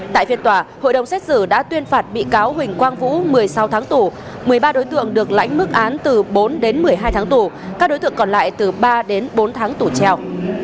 tại phiên tòa hội đồng xét xử đã tuyên phạt bị cáo huỳnh quang vũ một mươi sáu tháng tù một mươi ba đối tượng được lãnh mức án từ bốn đến một mươi hai tháng tù các đối tượng còn lại từ ba đến bốn tháng tù treo